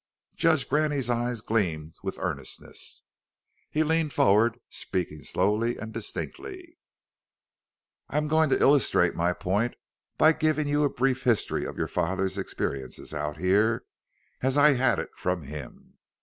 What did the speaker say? Judge Graney's eyes gleamed with earnestness. He leaned forward, speaking slowly and distinctly. "I am going to illustrate my point by giving you a brief history of your father's experiences out here as I had it from him.